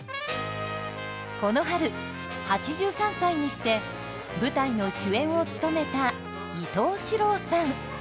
この春８３歳にして舞台の主演を務めた伊東四朗さん。